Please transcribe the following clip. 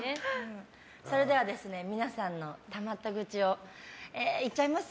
それでは皆さんのたまった愚痴いっちゃいます？